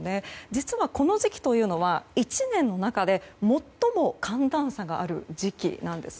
実は、この時期というのは１年の中で最も寒暖差がある時期なんです。